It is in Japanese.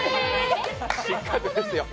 失格ですよ。